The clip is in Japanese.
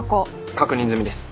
確認済みです。